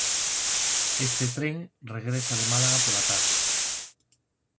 Este tren regresa de Málaga pola tarde.